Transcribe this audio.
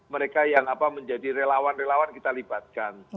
mereka yang menjadi relawan relawan kita libatkan